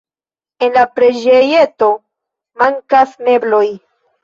En la preĝejeto mankas mebloj.